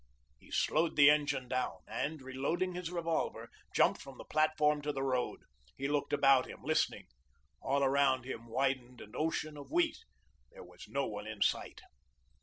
He slowed the engine down, and, reloading his revolver, jumped from the platform to the road. He looked about him, listening. All around him widened an ocean of wheat. There was no one in sight.